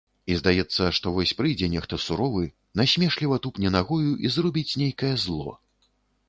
І здаецца, што вось прыйдзе нехта суровы, насмешліва тупне нагою і зробіць нейкае зло.